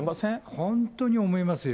本当に思いますよ。